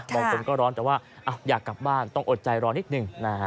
มองตนก็ร้อนแต่ว่าอยากกลับบ้านต้องอดใจรอนิกซ์นึง